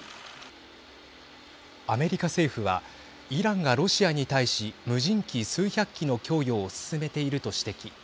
アメリカ政府はイランがロシアに対し無人機、数百機の供与を進めていると指摘。